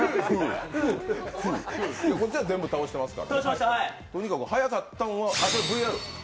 こっちは全部倒していますから。